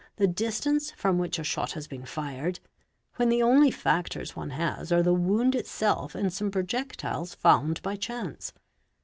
the : distance from which a shot has been fired, when the only factors one has | re the wound itself and some projectiles found by chance.